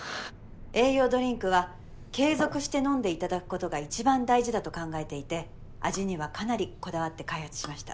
栄養ドリンクは継続して飲んでいただくことが一番大事だと考えていて味にはかなりこだわって開発しました。